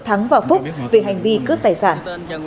thắng và phúc vì hành vi cướp tài sản